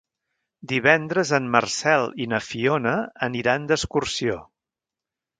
Divendres en Marcel i na Fiona aniran d'excursió.